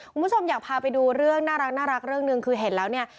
คุณผู้ชมอยากพาไปดูเรื่องน่ารักเรื่องหนึ่งคือเห็นแล้วเนี่ย